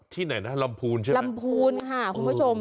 ไหนนะลำพูนใช่ไหมลำพูนค่ะคุณผู้ชม